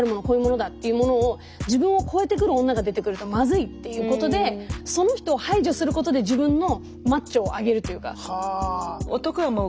こういうものだっていうものを自分を越えてくる女が出てくるとまずいっていうことでその人を排除することで自分のマッチョを上げるというか。は。